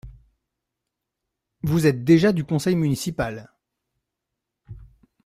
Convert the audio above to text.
Vous êtes déjà du conseil municipal…